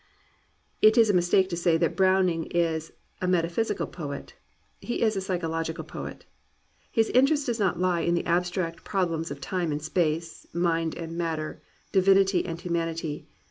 It is a mistake to say that Browning is a meta physical poet: he is a psychological poet. His in terest does not lie in the abstract problems of time and space, mind and matter, divinity and human ity.